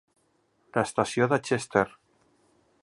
L'estació de Chester